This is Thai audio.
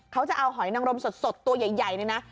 เขาจะเอาหอมนั้งลงสดตัวใหญ่นะ